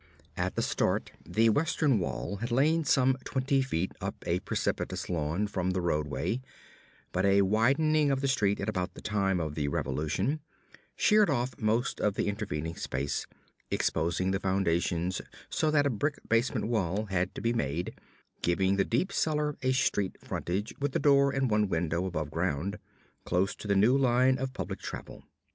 At the start, the western wall had lain some twenty feet up a precipitous lawn from the roadway; but a widening of the street at about the time of the Revolution sheared off most of the intervening space, exposing the foundations so that a brick basement wall had to be made, giving the deep cellar a street frontage with door and one window above ground, close to the new line of public travel.